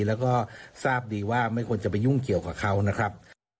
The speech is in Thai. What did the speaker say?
แล้วก็ทราบดีว่าไม่ควรจะไปยุ่งเกี่ยวกับเขานะครับ